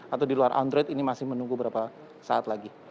atau di luar android ini masih menunggu berapa saat lagi